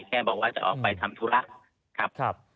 แค่บอกว่าจะออกไปทำธุระครับ